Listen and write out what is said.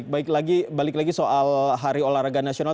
baik balik lagi soal hari olahraga nasional